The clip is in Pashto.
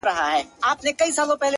چي ياد پاته وي’ ياد د نازولي زمانې’